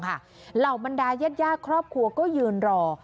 เหล่าบรรดายาดครอบครัวก็ยืนรอ